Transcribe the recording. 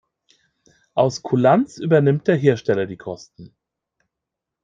Aus Kulanz übernimmt der Hersteller die Kosten.